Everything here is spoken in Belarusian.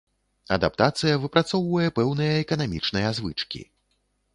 Адаптацыя выпрацоўвае пэўныя эканамічныя звычкі.